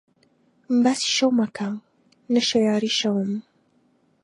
باسی شەو مەکە نە شایەری شەوم